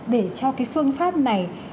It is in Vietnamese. để cho cái phương pháp này